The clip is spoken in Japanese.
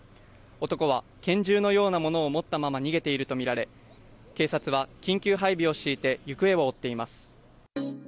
男は拳銃のようなものを持ったまま逃げていると見られ、警察は緊急配備を敷いて、行方を追っています。